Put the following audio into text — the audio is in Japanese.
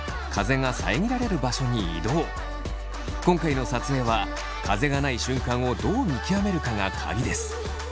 今回の撮影は風がない瞬間をどう見極めるかが鍵です。